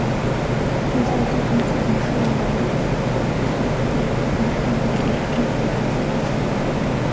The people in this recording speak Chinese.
这个地砖系统是由虚浮在一个平台上的一些可变型的盘子组成。